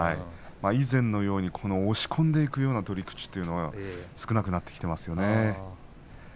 以前のように押し込んでいくような相撲は少なくなってきてますね。